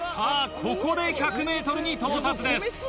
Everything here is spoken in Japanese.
ここで１００ｍに到達です。